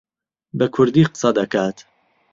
بە کوردی قسە دەکات.